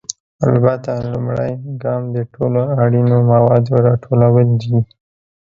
البته، لومړی ګام د ټولو اړینو موادو راټولول دي.